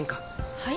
はい？